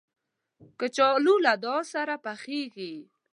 کچالو له دعا سره پخېږي